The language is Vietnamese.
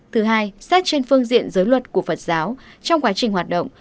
thứ hai xét trên phương diện giới luật của phật giáo trong quá trình hoạt động